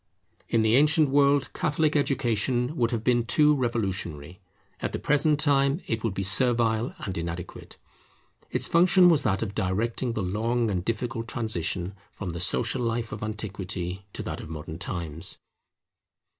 In the ancient world Catholic education would have been too revolutionary; at the present time it would be servile and inadequate. Its function was that of directing the long and difficult transition from the social life of Antiquity to that of Modern times.